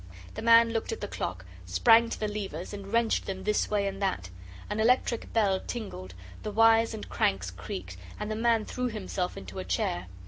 The man looked at the clock, sprang to the levers, and wrenched them this way and that. An electric bell tingled the wires and cranks creaked, and the man threw himself into a chair.